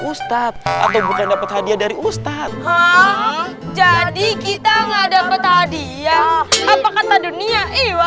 ustadz atau bukan dapat hadiah dari ustadz jadi kita enggak dapat hadiah apa kata dunia iwa